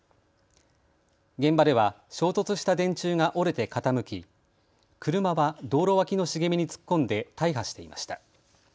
現場では衝突した電柱が折れて傾き、車は道路脇の茂みに突っ込んで大破していました。